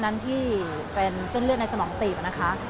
นั้นที่เป็นเส้นเลือดในสมองตีบนะคะ